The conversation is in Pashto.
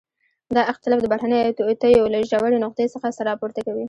دا اختلاف د بهرنيو توطئو له ژورې نقطې څخه سر راپورته کوي.